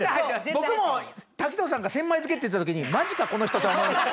僕も滝藤さんが「千枚漬け」って言った時に「マジかこの人」とは思いました。